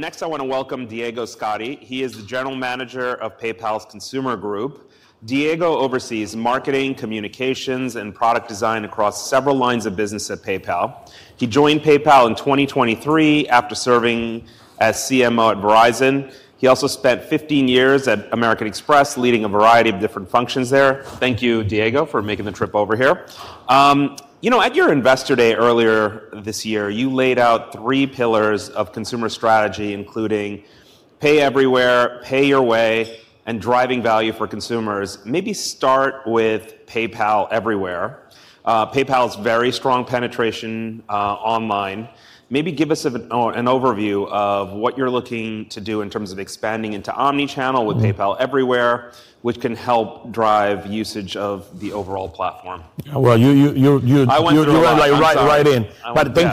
Next, I want to welcome Diego Scotti. He is the General Manager of PayPal's Consumer Group. Diego oversees marketing, communications, and product design across several lines of business at PayPal. He joined PayPal in 2023 after serving as CMO at Verizon. He also spent 15 years at American Express, leading a variety of different functions there. Thank you, Diego, for making the trip over here. You know, at your Investor Day earlier this year, you laid out three pillars of consumer strategy, including pay everywhere, pay your way, and driving value for consumers. Maybe start with PayPal everywhere. PayPal's very strong penetration online. Maybe give us an overview of what you're looking to do in terms of expanding into omnichannel with PayPal everywhere, which can help drive usage of the overall platform. Thank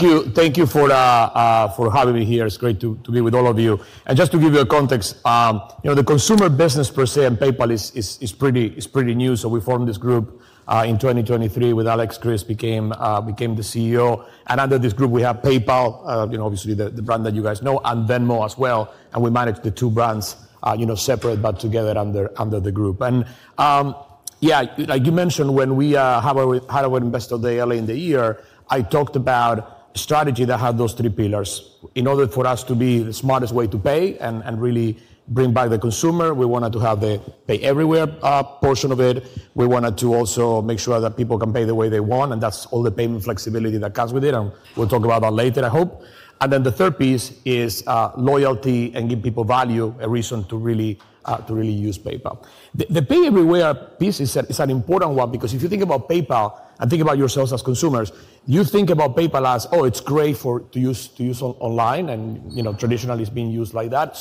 you for having me here. It's great to be with all of you. Just to give you a context, the consumer business per se and PayPal is pretty new. We formed this group in 2023 with Alex Chriss, became the CEO. Under this group, we have PayPal, obviously the brand that you guys know, and Venmo as well. We manage the two brands separate but together under the group. Yeah, like you mentioned, when we had our Investor Day earlier in the year, I talked about strategy that had those three pillars. In order for us to be the smartest way to pay and really bring back the consumer, we wanted to have the pay everywhere portion of it. We wanted to also make sure that people can pay the way they want. That is all the payment flexibility that comes with it. We will talk about that later, I hope. The third piece is loyalty and give people value, a reason to really use PayPal. The pay everywhere piece is an important one because if you think about PayPal and think about yourselves as consumers, you think about PayPal as, oh, it is great to use online. Traditionally, it has been used like that.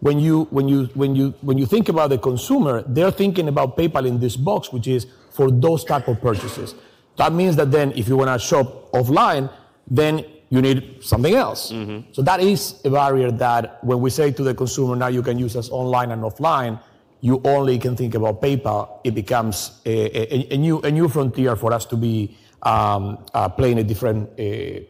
When you think about the consumer, they are thinking about PayPal in this box, which is for those types of purchases. That means that if you want to shop offline, you need something else. That is a barrier that when we say to the consumer, now you can use us online and offline, you only can think about PayPal. It becomes a new frontier for us to be playing a different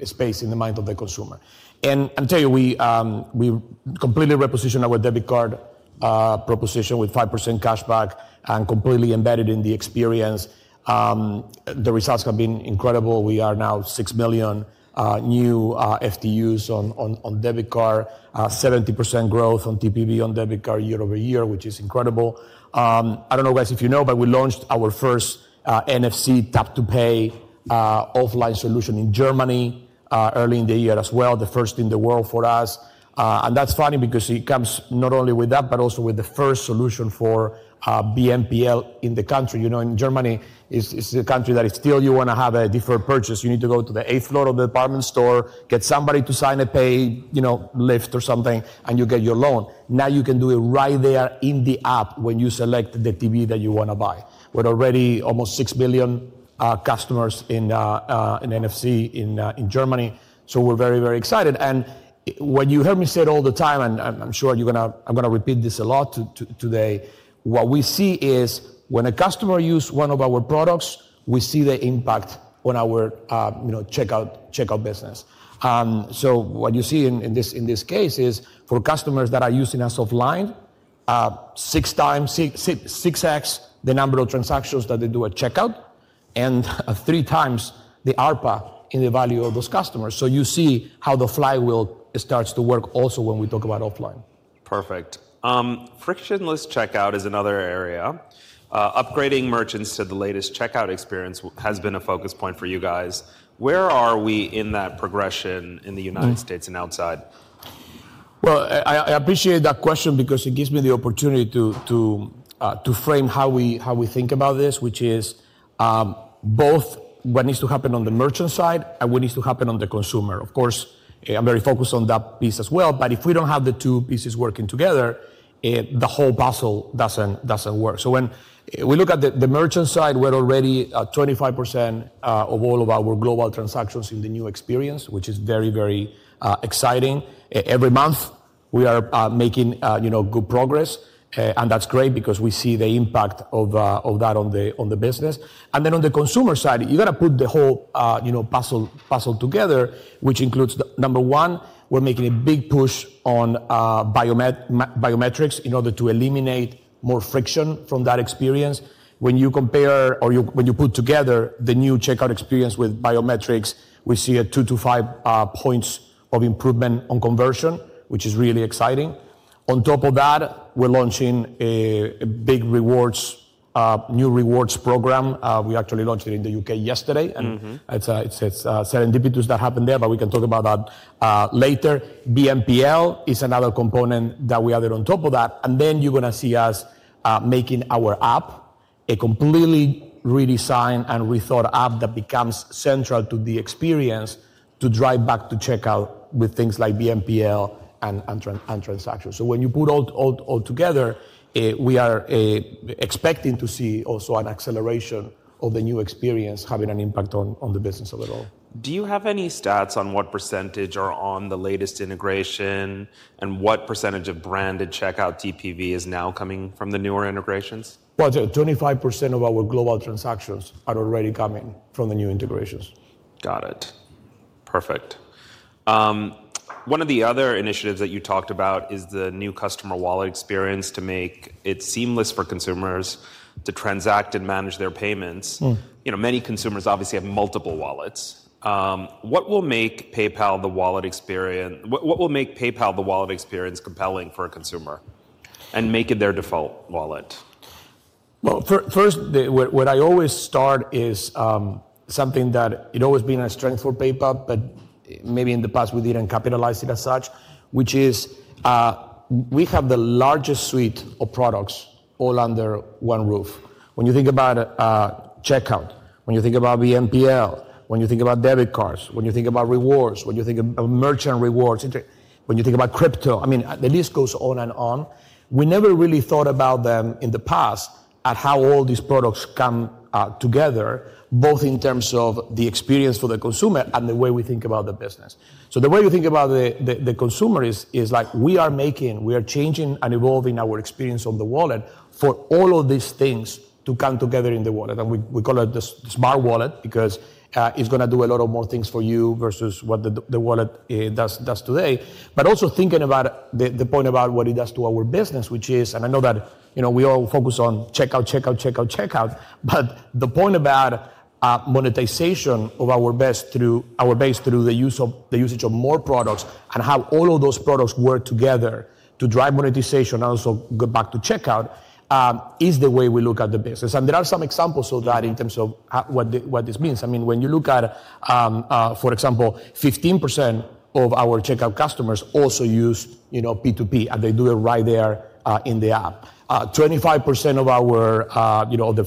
space in the mind of the consumer. I'll tell you, we completely repositioned our debit card proposition with 5% cashback and completely embedded in the experience. The results have been incredible. We are now 6 million new FTUs on debit card, 70% growth on TPV on debit card year over year, which is incredible. I don't know, guys, if you know, but we launched our first NFC tap-to-pay offline solution in Germany early in the year as well, the first in the world for us. That's funny because it comes not only with that, but also with the first solution for BNPL in the country. In Germany, it's a country that still you want to have a deferred purchase. You need to go to the eighth floor of the department store, get somebody to sign a pay lift or something, and you get your loan. Now you can do it right there in the app when you select the TV that you want to buy. We're already almost 6 million customers in NFC in Germany. We are very, very excited. When you hear me say it all the time, and I'm sure I'm going to repeat this a lot today, what we see is when a customer uses one of our products, we see the impact on our checkout business. What you see in this case is for customers that are using us offline, six times, six X the number of transactions that they do at checkout, and three times the ARPA in the value of those customers. You see how the flywheel starts to work also when we talk about offline. Perfect. Frictionless checkout is another area. Upgrading merchants to the latest checkout experience has been a focus point for you guys. Where are we in that progression in the U.S. and outside? I appreciate that question because it gives me the opportunity to frame how we think about this, which is both what needs to happen on the merchant side and what needs to happen on the consumer. Of course, I'm very focused on that piece as well. If we don't have the two pieces working together, the whole puzzle doesn't work. When we look at the merchant side, we're already at 25% of all of our global transactions in the new experience, which is very, very exciting. Every month, we are making good progress. That's great because we see the impact of that on the business. On the consumer side, you got to put the whole puzzle together, which includes, number one, we're making a big push on biometrics in order to eliminate more friction from that experience. When you compare or when you put together the new checkout experience with biometrics, we see a 2-5 percentage points of improvement on conversion, which is really exciting. On top of that, we're launching a big new rewards program. We actually launched it in the U.K. yesterday. And it's serendipitous that happened there, but we can talk about that later. BNPL is another component that we added on top of that. Then you're going to see us making our app, a completely redesigned and rethought app that becomes central to the experience to drive back to checkout with things like BNPL and transactions. When you put all together, we are expecting to see also an acceleration of the new experience having an impact on the business overall. Do you have any stats on what percentage are on the latest integration and what percentage of branded checkout TPV is now coming from the newer integrations? Twenty-five percent of our global transactions are already coming from the new integrations. Got it. Perfect. One of the other initiatives that you talked about is the new customer wallet experience to make it seamless for consumers to transact and manage their payments. Many consumers obviously have multiple wallets. What will make PayPal the wallet experience? What will make PayPal the wallet experience compelling for a consumer and make it their default wallet? First, what I always start is something that has always been a strength for PayPal, but maybe in the past we did not capitalize it as such, which is we have the largest suite of products all under one roof. When you think about checkout, when you think about BNPL, when you think about debit cards, when you think about rewards, when you think about merchant rewards, when you think about crypto, I mean, the list goes on and on. We never really thought about them in the past at how all these products come together, both in terms of the experience for the consumer and the way we think about the business. The way you think about the consumer is like we are making, we are changing and evolving our experience on the wallet for all of these things to come together in the wallet. We call it the smart wallet because it's going to do a lot of more things for you versus what the wallet does today. Also, thinking about the point about what it does to our business, which is, and I know that we all focus on checkout, checkout, checkout, checkout, the point about monetization of our base through the usage of more products and how all of those products work together to drive monetization and also go back to checkout is the way we look at the business. There are some examples of that in terms of what this means. I mean, when you look at, for example, 15% of our checkout customers also use P2P and they do it right there in the app. 25%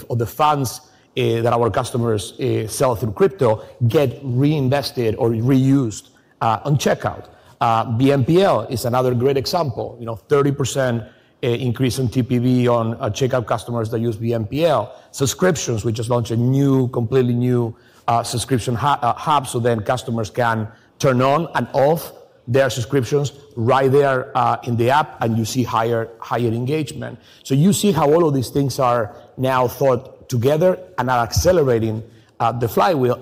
of the funds that our customers sell through crypto get reinvested or reused on checkout. BNPL is another great example. 30% increase in TPV on checkout customers that use BNPL. Subscriptions, we just launched a new, completely new Subscriptions Hub so then customers can turn on and off their subscriptions right there in the app and you see higher engagement. You see how all of these things are now thought together and are accelerating the flywheel.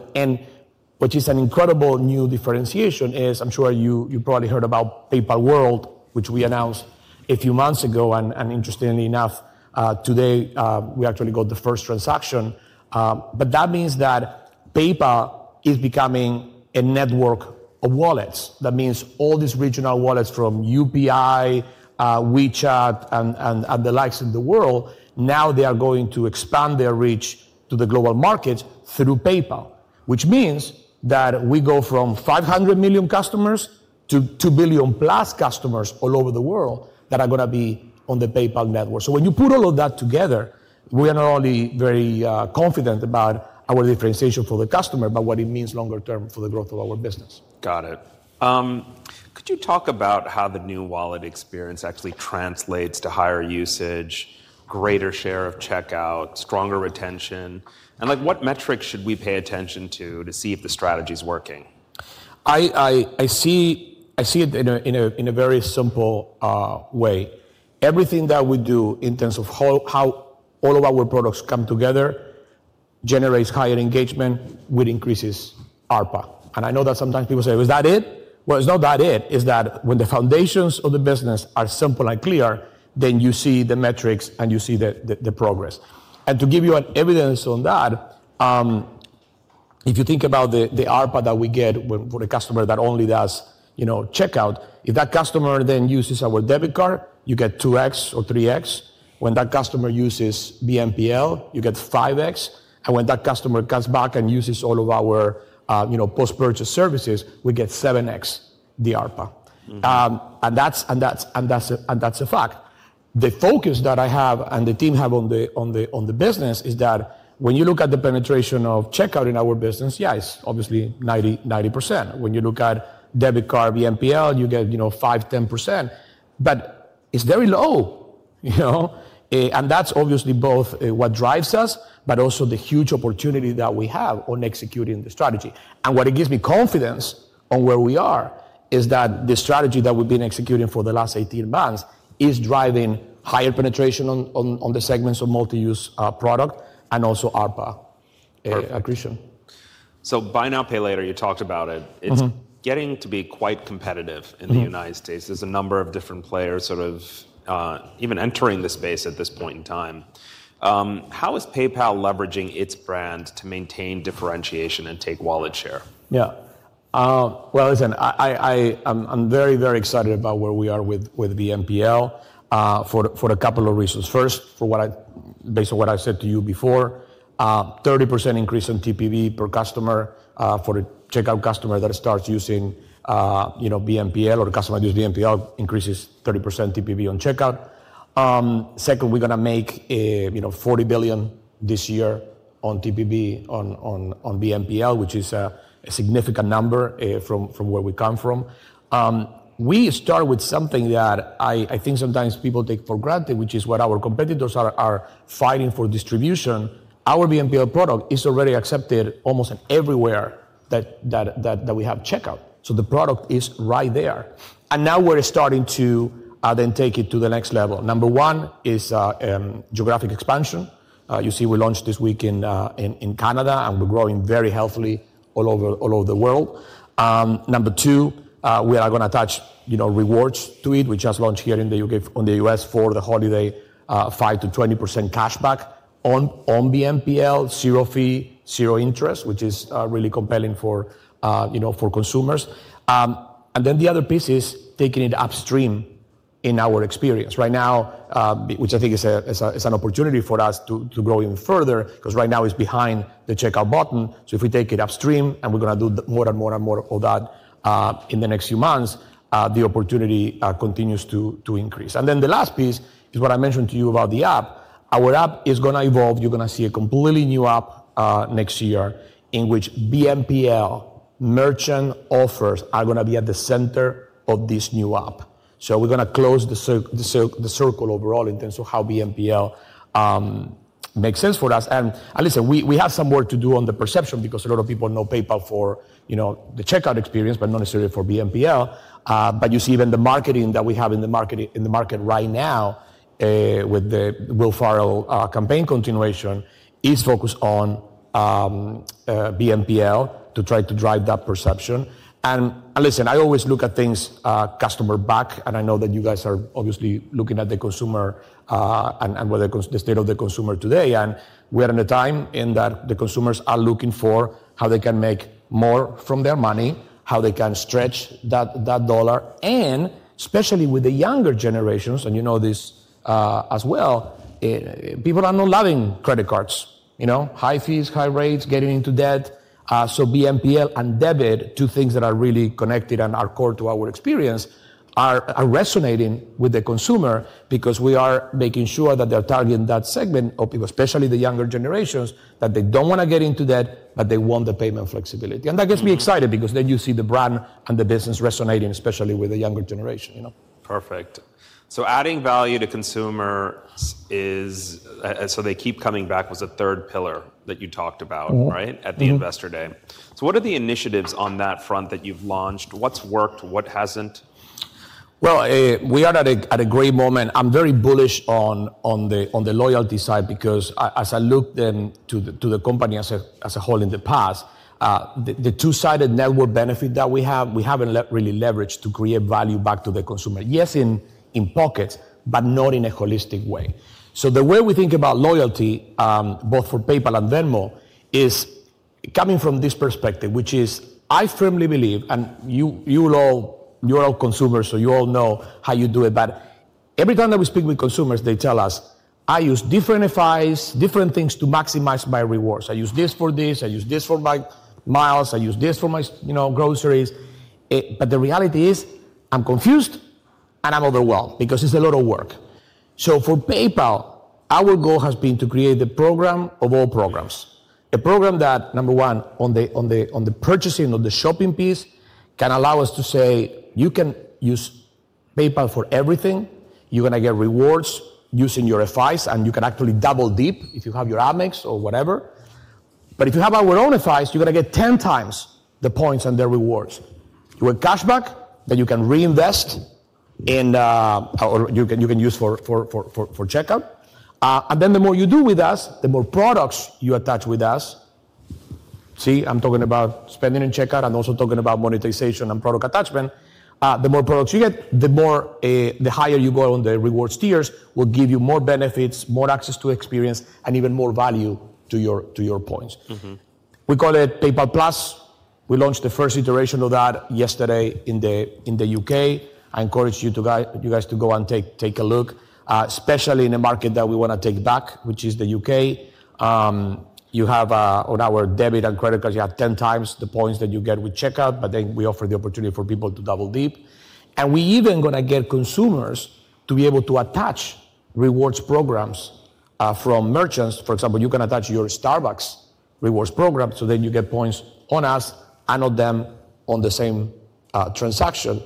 What is an incredible new differentiation is I'm sure you probably heard about PayPal World, which we announced a few months ago. Interestingly enough, today we actually got the first transaction. That means that PayPal is becoming a network of wallets. That means all these regional wallets from UPI, WeChat, and the likes of the world, now they are going to expand their reach to the global markets through PayPal, which means that we go from 500 million customers to 2 billion plus customers all over the world that are going to be on the PayPal network. When you put all of that together, we are not only very confident about our differentiation for the customer, but what it means longer term for the growth of our business. Got it. Could you talk about how the new wallet experience actually translates to higher usage, greater share of checkout, stronger retention? What metrics should we pay attention to to see if the strategy is working? I see it in a very simple way. Everything that we do in terms of how all of our products come together generates higher engagement with increases ARPA. I know that sometimes people say, is that it? It is not that it. It is that when the foundations of the business are simple and clear, then you see the metrics and you see the progress. To give you an evidence on that, if you think about the ARPA that we get for a customer that only does checkout, if that customer then uses our debit card, you get 2X or 3X. When that customer uses BNPL, you get 5X. When that customer comes back and uses all of our post-purchase services, we get 7X the ARPA. That is a fact. The focus that I have and the team have on the business is that when you look at the penetration of checkout in our business, yeah, it's obviously 90%. When you look at debit card, BNPL, you get 5-10%. It's very low. That's obviously both what drives us, but also the huge opportunity that we have on executing the strategy. What it gives me confidence on where we are is that the strategy that we've been executing for the last 18 months is driving higher penetration on the segments of multi-use product and also ARPA accretion. Buy now, pay later, you talked about it. It's getting to be quite competitive in the United States. There's a number of different players sort of even entering the space at this point in time. How is PayPal leveraging its brand to maintain differentiation and take wallet share? Yeah. Listen, I'm very, very excited about where we are with BNPL for a couple of reasons. First, based on what I said to you before, 30% increase in TPV per customer for a checkout customer that starts using BNPL or a customer that uses BNPL increases 30% TPV on checkout. Second, we're going to make $40 billion this year on TPV on BNPL, which is a significant number from where we come from. We start with something that I think sometimes people take for granted, which is what our competitors are fighting for distribution. Our BNPL product is already accepted almost everywhere that we have checkout. The product is right there. Now we're starting to then take it to the next level. Number one is geographic expansion. You see, we launched this week in Canada and we're growing very healthily all over the world. Number two, we are going to attach rewards to it. We just launched here in the U.S. for the holiday 5%-20% cashback on BNPL, zero fee, zero interest, which is really compelling for consumers. The other piece is taking it upstream in our experience. Right now, which I think is an opportunity for us to grow even further because right now it's behind the checkout button. If we take it upstream and we're going to do more and more and more of that in the next few months, the opportunity continues to increase. The last piece is what I mentioned to you about the app. Our app is going to evolve. You're going to see a completely new app next year in which BNPL merchant offers are going to be at the center of this new app. We're going to close the circle overall in terms of how BNPL makes sense for us. Listen, we have some work to do on the perception because a lot of people know PayPal for the checkout experience, but not necessarily for BNPL. You see even the marketing that we have in the market right now with the Will Ferrell campaign continuation is focused on BNPL to try to drive that perception. Listen, I always look at things customer back. I know that you guys are obviously looking at the consumer and the state of the consumer today. We are in a time in that the consumers are looking for how they can make more from their money, how they can stretch that dollar. Especially with the younger generations, and you know this as well, people are not loving credit cards. High fees, high rates, getting into debt. BNPL and debit, two things that are really connected and are core to our experience, are resonating with the consumer because we are making sure that they're targeting that segment of people, especially the younger generations, that they don't want to get into debt, but they want the payment flexibility. That gets me excited because then you see the brand and the business resonating, especially with the younger generation. Perfect. So adding value to consumers is so they keep coming back was a third pillar that you talked about, right, at the investor day. So what are the initiatives on that front that you've launched? What's worked? What hasn't? We are at a great moment. I'm very bullish on the loyalty side because as I looked into the company as a whole in the past, the two-sided network benefit that we have, we haven't really leveraged to create value back to the consumer. Yes, in pockets, but not in a holistic way. The way we think about loyalty, both for PayPal and Venmo, is coming from this perspective, which is I firmly believe, and you're all consumers, so you all know how you do it. Every time that we speak with consumers, they tell us, "I use different FIs, different things to maximize my rewards. I use this for this. I use this for my miles. I use this for my groceries." The reality is I'm confused and I'm overwhelmed because it's a lot of work. For PayPal, our goal has been to create the program of all programs. A program that, number one, on the purchasing, on the shopping piece, can allow us to say, "You can use PayPal for everything. You're going to get rewards using your FIs, and you can actually double dip if you have your Amex or whatever. If you have our own FIs, you're going to get 10 times the points and the rewards. You get cashback that you can reinvest or you can use for checkout. The more you do with us, the more products you attach with us." See, I'm talking about spending and checkout and also talking about monetization and product attachment. The more products you get, the higher you go on the rewards tiers will give you more benefits, more access to experience, and even more value to your points. We call it PayPal Plus. We launched the first iteration of that yesterday in the U.K. I encourage you guys to go and take a look, especially in a market that we want to take back, which is the U.K. You have on our debit and credit cards, you have 10 times the points that you get with checkout, but then we offer the opportunity for people to double dip. We are even going to get consumers to be able to attach rewards programs from merchants. For example, you can attach your Starbucks rewards program, so then you get points on us and on them on the same transaction.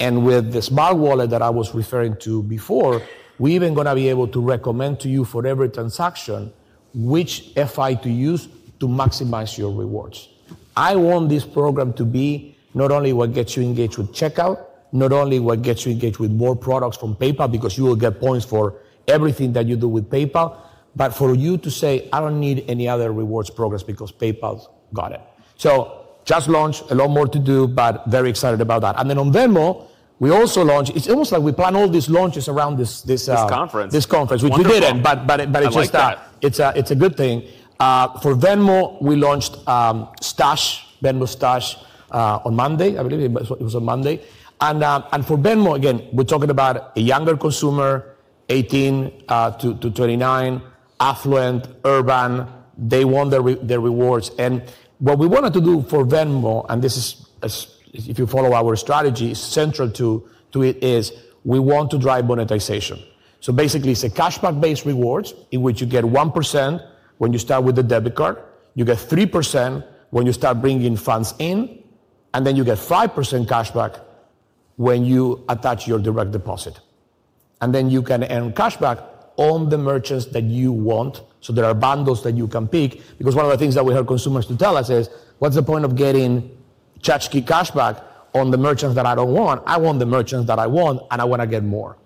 With the smart wallet that I was referring to before, we are even going to be able to recommend to you for every transaction which FI to use to maximize your rewards. I want this program to be not only what gets you engaged with checkout, not only what gets you engaged with more products from PayPal because you will get points for everything that you do with PayPal, but for you to say, "I don't need any other rewards programs because PayPal's got it." Just launched, a lot more to do, but very excited about that. On Venmo, we also launched it's almost like we planned all these launches around this. This conference. This conference, which we didn't, but it's a good thing. For Venmo, we launched Stash, Venmo Stash on Monday, I believe it was on Monday. For Venmo, again, we're talking about a younger consumer, 18-29, affluent, urban, they want their rewards. What we wanted to do for Venmo, and this is if you follow our strategy, central to it is we want to drive monetization. Basically, it's a cashback-based rewards in which you get 1% when you start with the debit card. You get 3% when you start bringing funds in, and you get 5% cashback when you attach your direct deposit. You can earn cashback on the merchants that you want. There are bundles that you can pick because one of the things that we heard consumers tell us is, "What's the point of getting cashback on the merchants that I don't want? I want the merchants that I want, and I want to get more."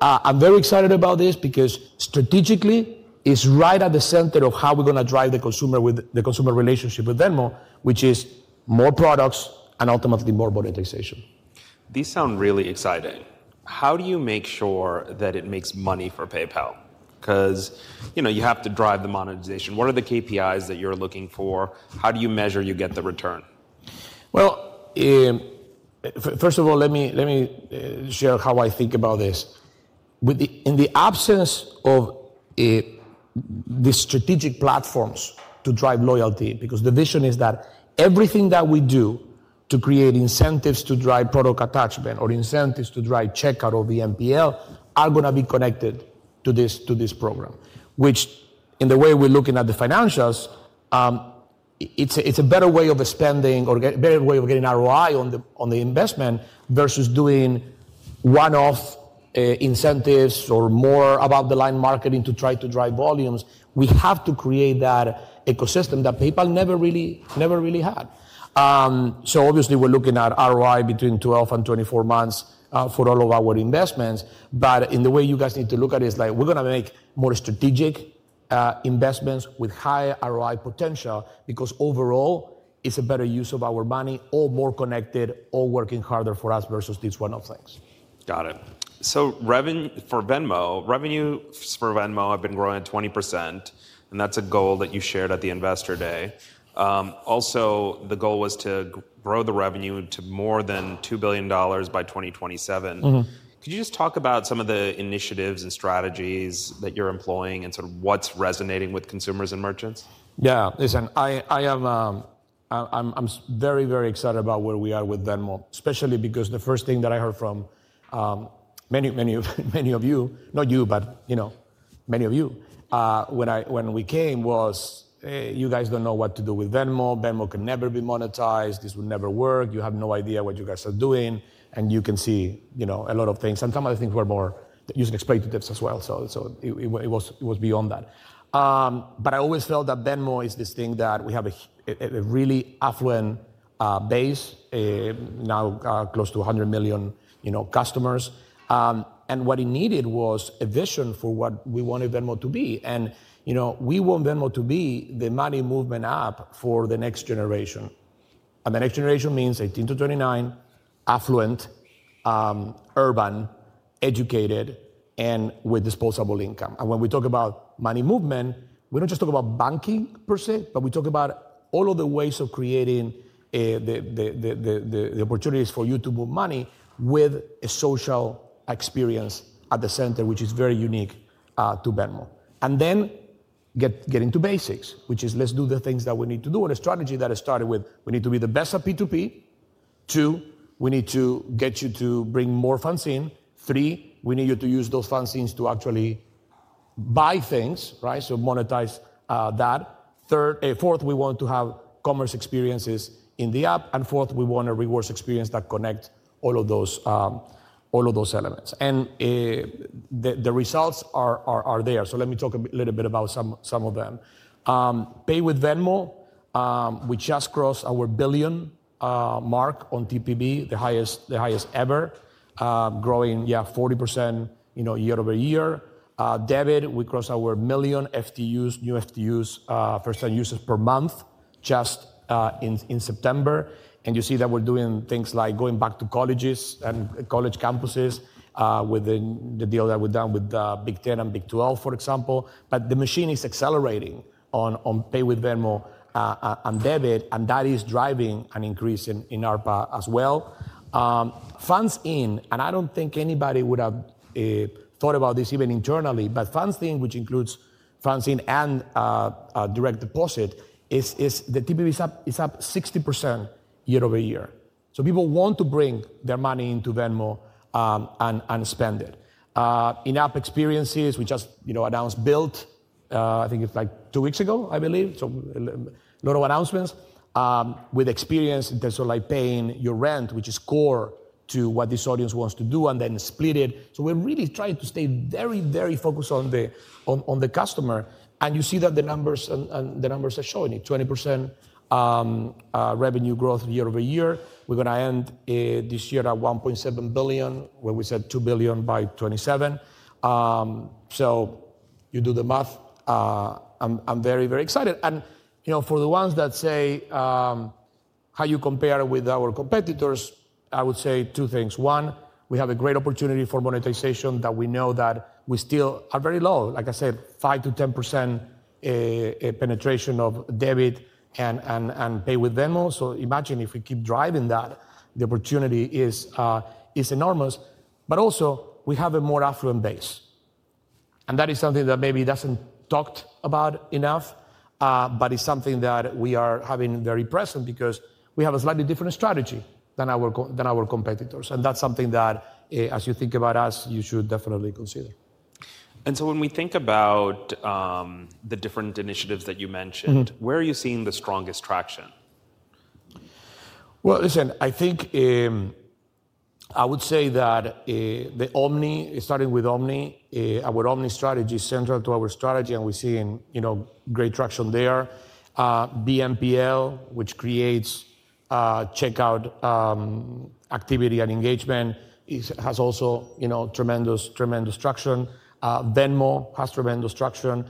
I'm very excited about this because strategically, it's right at the center of how we're going to drive the consumer relationship with Venmo, which is more products and ultimately more monetization. These sound really exciting. How do you make sure that it makes money for PayPal? Because you have to drive the monetization. What are the KPIs that you're looking for? How do you measure you get the return? First of all, let me share how I think about this. In the absence of the strategic platforms to drive loyalty, because the vision is that everything that we do to create incentives to drive product attachment or incentives to drive checkout or BNPL are going to be connected to this program, which in the way we're looking at the financials, it's a better way of spending, a better way of getting ROI on the investment versus doing one-off incentives or more about the line marketing to try to drive volumes. We have to create that ecosystem that PayPal never really had. Obviously, we're looking at ROI between 12 and 24 months for all of our investments. The way you guys need to look at it is like we're going to make more strategic investments with higher ROI potential because overall, it's a better use of our money, all more connected, all working harder for us versus these one-off things. Got it. For Venmo, revenues for Venmo have been growing at 20%, and that's a goal that you shared at the investor day. Also, the goal was to grow the revenue to more than $2 billion by 2027. Could you just talk about some of the initiatives and strategies that you're employing and sort of what's resonating with consumers and merchants? Yeah. Listen, I'm very, very excited about where we are with Venmo, especially because the first thing that I heard from many of you, not you, but many of you, when we came was, "You guys don't know what to do with Venmo. Venmo can never be monetized. This will never work. You have no idea what you guys are doing." You can see a lot of things. Some of the things were more using expletives as well. It was beyond that. I always felt that Venmo is this thing that we have a really affluent base, now close to 100 million customers. What it needed was a vision for what we wanted Venmo to be. We want Venmo to be the money movement app for the next generation. The next generation means 18-29, affluent, urban, educated, and with disposable income. When we talk about money movement, we do not just talk about banking per se, but we talk about all of the ways of creating the opportunities for you to move money with a social experience at the center, which is very unique to Venmo. Getting to basics, which is let's do the things that we need to do and a strategy that it started with. We need to be the best at P2P. Two, we need to get you to bring more funds in. Three, we need you to use those funds to actually buy things, right? So monetize that. Fourth, we want to have commerce experiences in the app. Fourth, we want a rewards experience that connects all of those elements. The results are there. Let me talk a little bit about some of them. Pay with Venmo, we just crossed our billion mark on TPV, the highest ever, growing, yeah, 40% year over year. Debit, we crossed our million FTUs, new FTUs, first-time users per month just in September. You see that we are doing things like going back to colleges and college campuses with the deal that we have done with Big 10 and Big 12, for example. The machine is accelerating on Pay with Venmo and Debit, and that is driving an increase in ARPA as well. Funds in, and I do not think anybody would have thought about this even internally, but funds in, which includes funds in and direct deposit, is the TPV is up 60% year over year. People want to bring their money into Venmo and spend it. In-app experiences, we just announced Built, I think it is like two weeks ago, I believe. A lot of announcements with experience in terms of paying your rent, which is core to what this audience wants to do, and then split it. We are really trying to stay very, very focused on the customer. You see that the numbers are showing it, 20% revenue growth year over year. We are going to end this year at $1.7 billion, where we said $2 billion by 2027. You do the math. I am very, very excited. For the ones that say, "How you compare with our competitors," I would say two things. One, we have a great opportunity for monetization that we know that we still are very low, like I said, 5-10% penetration of Debit Card and Pay with Venmo. Imagine if we keep driving that, the opportunity is enormous. We also have a more affluent base. That is something that maybe does not get talked about enough, but it is something that we are having very present because we have a slightly different strategy than our competitors. That is something that, as you think about us, you should definitely consider. When we think about the different initiatives that you mentioned, where are you seeing the strongest traction? I think I would say that the Omni, starting with Omni, our Omni strategy is central to our strategy, and we're seeing great traction there. BNPL, which creates checkout activity and engagement, has also tremendous traction. Venmo has tremendous traction.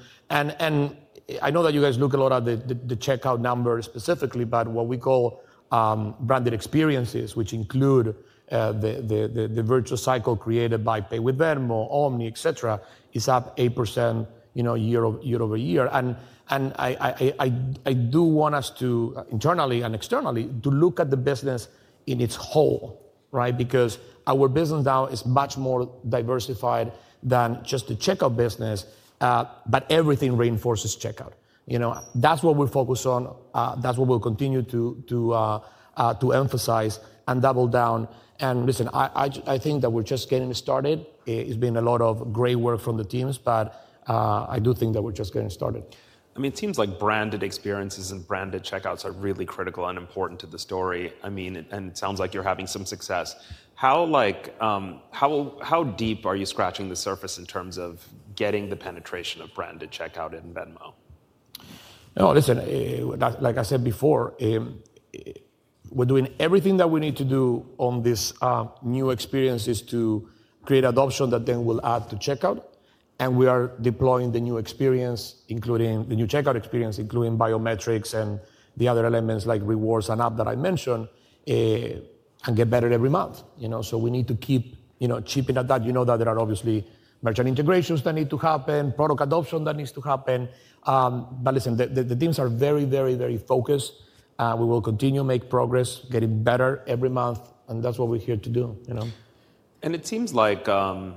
I know that you guys look a lot at the checkout numbers specifically, but what we call branded experiences, which include the virtual cycle created by Pay with Venmo, Omni, etc., is up 8% year over year. I do want us to, internally and externally, to look at the business in its whole, right? Because our business now is much more diversified than just the checkout business, but everything reinforces checkout. That's what we're focused on. That's what we'll continue to emphasize and double down. I think that we're just getting started. It's been a lot of great work from the teams, but I do think that we're just getting started. I mean, it seems like branded experiences and branded checkouts are really critical and important to the story. I mean, and it sounds like you're having some success. How deep are you scratching the surface in terms of getting the penetration of branded checkout in Venmo? Listen, like I said before, we're doing everything that we need to do on this new experience to create adoption that then will add to checkout. We are deploying the new experience, including the new checkout experience, including biometrics and the other elements like rewards and app that I mentioned, and get better every month. We need to keep chipping at that. You know that there are obviously merchant integrations that need to happen, product adoption that needs to happen. Listen, the teams are very, very, very focused. We will continue to make progress, getting better every month, and that's what we're here to do. It seems like there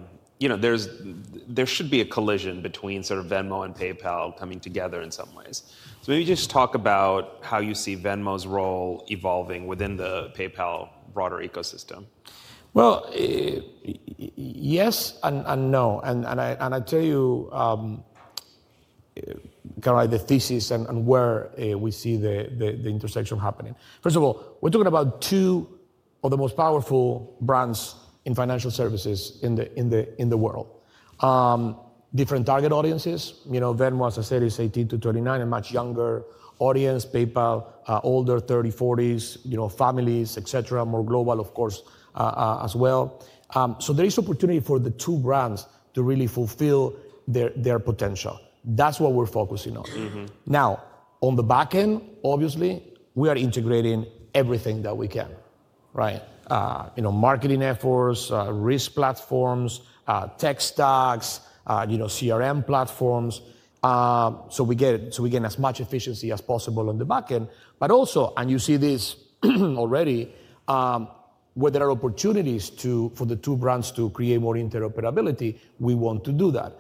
should be a collision between sort of Venmo and PayPal coming together in some ways. Maybe just talk about how you see Venmo's role evolving within the PayPal broader ecosystem. Yes and no. I tell you kind of the thesis and where we see the intersection happening. First of all, we're talking about two of the most powerful brands in financial services in the world, different target audiences. Venmo, as I said, is 18 to 29, a much younger audience. PayPal, older, 30s, 40s, families, etc., more global, of course, as well. There is opportunity for the two brands to really fulfill their potential. That's what we're focusing on. Now, on the back end, obviously, we are integrating everything that we can, right? Marketing efforts, risk platforms, tech stacks, CRM platforms. We gain as much efficiency as possible on the back end. Also, and you see this already, where there are opportunities for the two brands to create more interoperability, we want to do that.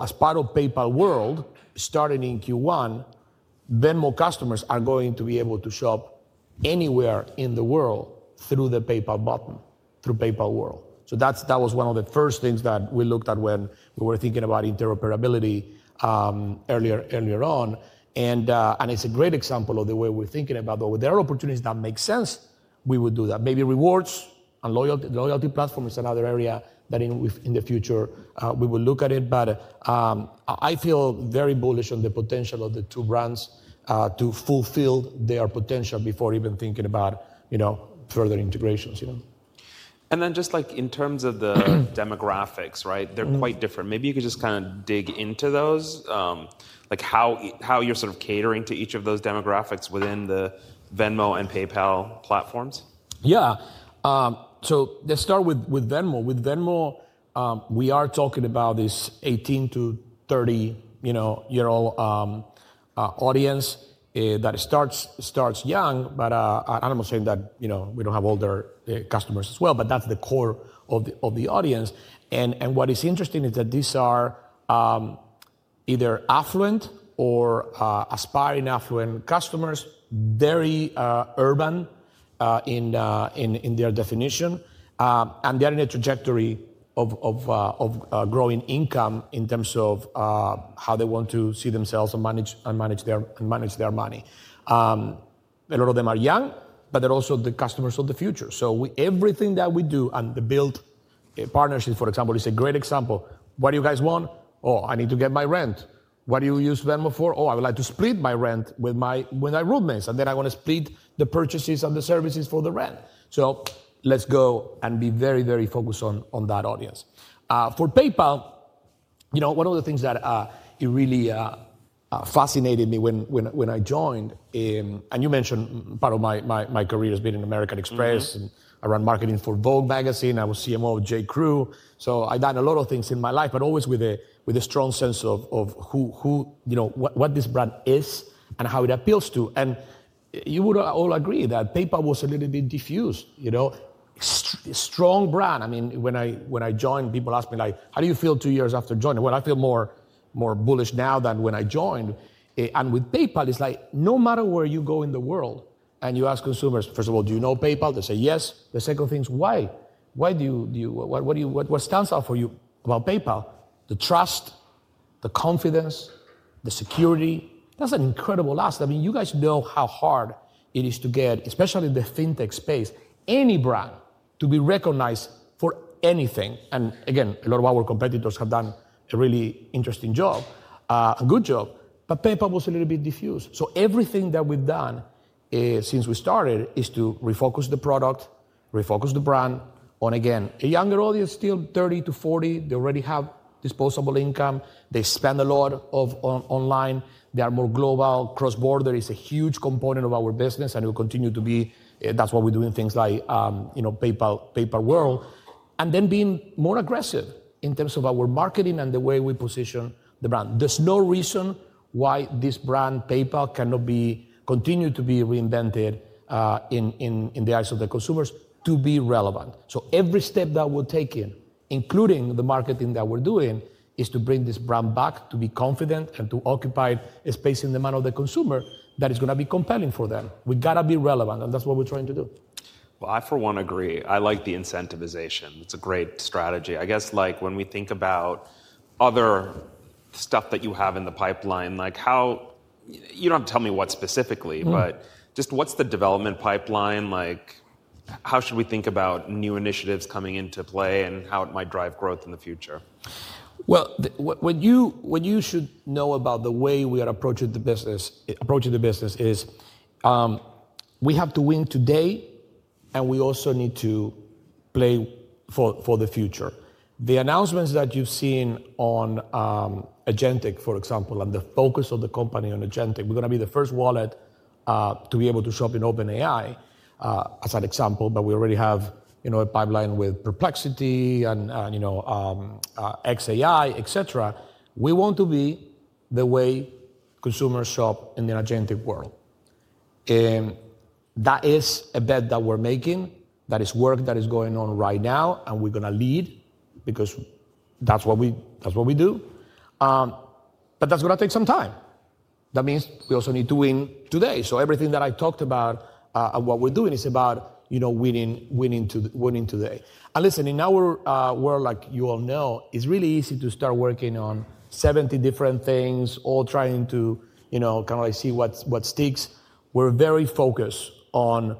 As part of PayPal World, starting in Q1, Venmo customers are going to be able to shop anywhere in the world through the PayPal button, through PayPal World. That was one of the first things that we looked at when we were thinking about interoperability earlier on. It is a great example of the way we're thinking about, well, there are opportunities that make sense. We would do that. Maybe rewards and loyalty platform is another area that in the future we will look at it. I feel very bullish on the potential of the two brands to fulfill their potential before even thinking about further integrations. Just like in terms of the demographics, right? They're quite different. Maybe you could just kind of dig into those, like how you're sort of catering to each of those demographics within the Venmo and PayPal platforms. Yeah. Let's start with Venmo. With Venmo, we are talking about this 18-30-year-old audience that starts young, but I'm not saying that we don't have older customers as well, but that's the core of the audience. What is interesting is that these are either affluent or aspiring affluent customers, very urban in their definition. They're in a trajectory of growing income in terms of how they want to see themselves and manage their money. A lot of them are young, but they're also the customers of the future. Everything that we do and the Built partnership, for example, is a great example. What do you guys want? Oh, I need to get my rent. What do you use Venmo for? Oh, I would like to split my rent with my roommates. I want to split the purchases and the services for the rent. Let's go and be very, very focused on that audience. For PayPal, one of the things that really fascinated me when I joined, and you mentioned part of my career has been in American Express and around marketing for Vogue magazine. I was CMO of J.Crew. I have done a lot of things in my life, but always with a strong sense of what this brand is and how it appeals to. You would all agree that PayPal was a little bit diffused. Strong brand. I mean, when I joined, people asked me like, how do you feel two years after joining? I feel more bullish now than when I joined. With PayPal, it's like no matter where you go in the world and you ask consumers, first of all, do you know PayPal? They say yes. The second thing is, why? What stands out for you about PayPal? The trust, the confidence, the security. That's an incredible ask. I mean, you guys know how hard it is to get, especially in the fintech space, any brand to be recognized for anything. Again, a lot of our competitors have done a really interesting job, a good job. PayPal was a little bit diffused. Everything that we've done since we started is to refocus the product, refocus the brand on, again, a younger audience, still 30-40. They already have disposable income. They spend a lot online. They are more global. Cross-border is a huge component of our business, and it will continue to be. That's why we're doing things like PayPal World. We're being more aggressive in terms of our marketing and the way we position the brand. There's no reason why this brand, PayPal, cannot continue to be reinvented in the eyes of the consumers to be relevant. Every step that we're taking, including the marketing that we're doing, is to bring this brand back to be confident and to occupy a space in the mind of the consumer that is going to be compelling for them. We've got to be relevant, and that's what we're trying to do. I for one agree. I like the incentivization. It's a great strategy. I guess when we think about other stuff that you have in the pipeline, you don't have to tell me what specifically, but just what's the development pipeline? How should we think about new initiatives coming into play and how it might drive growth in the future? What you should know about the way we are approaching the business is we have to win today, and we also need to play for the future. The announcements that you've seen on Agentic, for example, and the focus of the company on Agentic, we're going to be the first wallet to be able to shop in OpenAI, as an example, but we already have a pipeline with Perplexity and xAI, etc. We want to be the way consumers shop in the Agentic world. That is a bet that we're making. That is work that is going on right now, and we're going to lead because that's what we do. That is going to take some time. That means we also need to win today. Everything that I talked about and what we're doing is about winning today. Listen, in our world, like you all know, it's really easy to start working on 70 different things, all trying to kind of see what sticks. We're very focused on,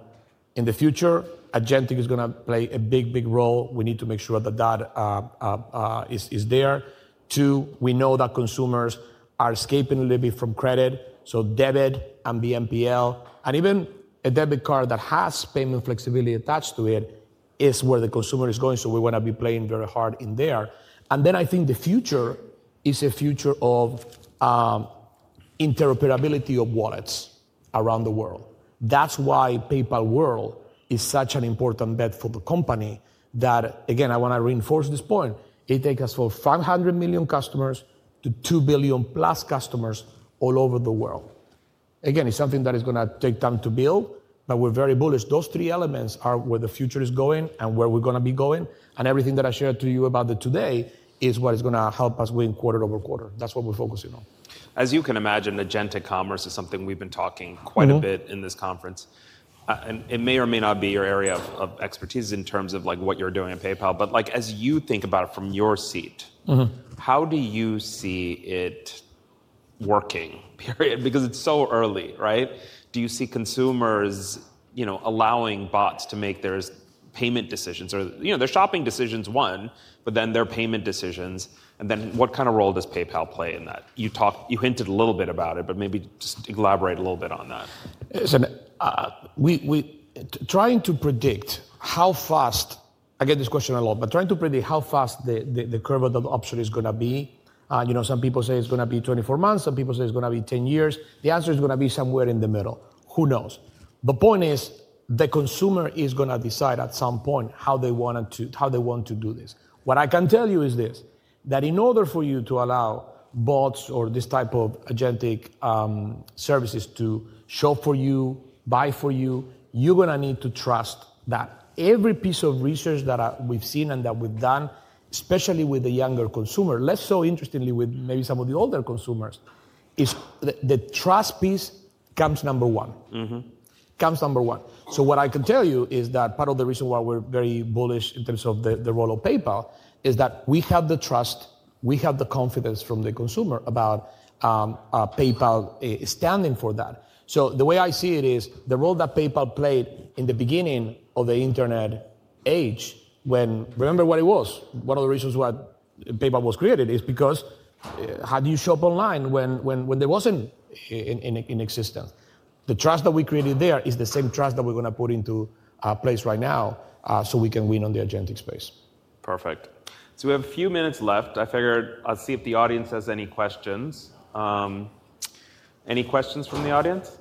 in the future, Agentic is going to play a big, big role. We need to make sure that that is there. Two, we know that consumers are escaping a little bit from credit. So debit and BNPL, and even a debit card that has payment flexibility attached to it is where the consumer is going. We want to be playing very hard in there. I think the future is a future of interoperability of wallets around the world. That's why PayPal World is such an important bet for the company that, again, I want to reinforce this point. It takes us from 500 million customers to 2 billion-plus customers all over the world. Again, it's something that is going to take time to build, but we're very bullish. Those three elements are where the future is going and where we're going to be going. Everything that I shared to you about today is what is going to help us win quarter over quarter. That's what we're focusing on. As you can imagine, Agentic Commerce is something we've been talking quite a bit in this conference. It may or may not be your area of expertise in terms of what you're doing at PayPal, but as you think about it from your seat, how do you see it working? Because it's so early, right? Do you see consumers allowing bots to make their payment decisions? Or their shopping decisions, one, but then their payment decisions. What kind of role does PayPal play in that? You hinted a little bit about it, but maybe just elaborate a little bit on that. Trying to predict how fast, I get this question a lot, but trying to predict how fast the curve of the option is going to be. Some people say it's going to be 24 months. Some people say it's going to be 10 years. The answer is going to be somewhere in the middle. Who knows? The point is the consumer is going to decide at some point how they want to do this. What I can tell you is this, that in order for you to allow bots or this type of Agentic services to shop for you, buy for you, you're going to need to trust that. Every piece of research that we've seen and that we've done, especially with the younger consumer, less so interestingly with maybe some of the older consumers, is the trust piece comes number one. Comes number one. What I can tell you is that part of the reason why we're very bullish in terms of the role of PayPal is that we have the trust. We have the confidence from the consumer about PayPal standing for that. The way I see it is the role that PayPal played in the beginning of the internet age, when remember what it was? One of the reasons why PayPal was created is because how do you shop online when there wasn't an existence? The trust that we created there is the same trust that we're going to put into place right now so we can win on the Agentic space. Perfect. We have a few minutes left. I figured I'll see if the audience has any questions. Any questions from the audience?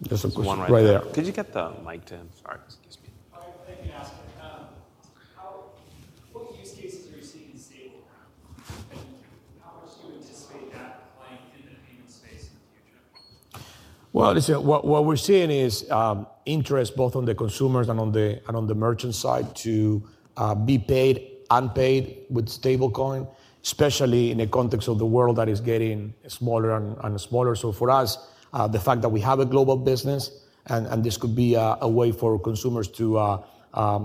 There's a question right there. Could you get the mic to him? Sorry. Excuse me. Hi, thank you, Aspen. What use cases are you seeing in stablecoin? And how much do you anticipate that playing in the payment space in the future? What we're seeing is interest both on the consumers and on the merchant side to be paid, unpaid with stablecoin, especially in the context of the world that is getting smaller and smaller. For us, the fact that we have a global business and this could be a way for consumers to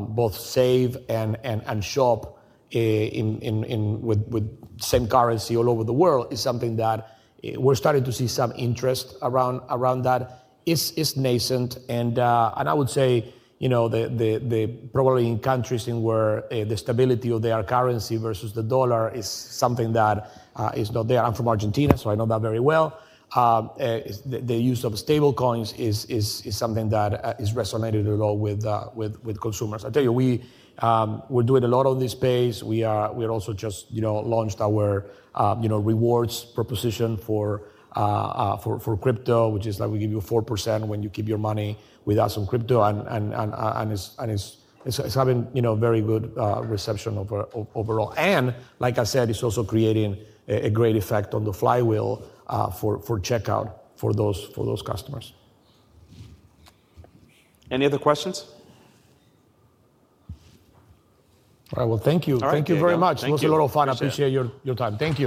both save and shop with the same currency all over the world is something that we're starting to see some interest around that. It's nascent. I would say probably in countries where the stability of their currency versus the dollar is something that is not there. I'm from Argentina, so I know that very well. The use of stablecoins is something that is resonating a lot with consumers. I tell you, we're doing a lot on this space. We also just launched our rewards proposition for crypto, which is like we give you 4% when you keep your money with us on crypto. It is having very good reception overall. Like I said, it is also creating a great effect on the flywheel for checkout for those customers. Any other questions? All right. Thank you. Thank you very much. It was a lot of fun. I appreciate your time. Thank you.